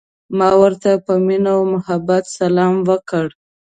ما ورته په مینه او محبت سلام وکړ.